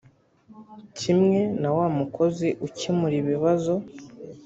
Kimwe na wa mukozi ukemura ibibazo